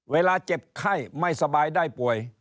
เจ็บไข้ไม่สบายได้ป่วย